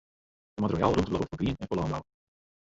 Der moat royaal rûmte bliuwe foar grien en foar lânbou.